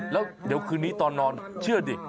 แล้วเดี๋ยวคืนนี้ตอนนอนเชื่อดิ